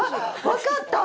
わかった！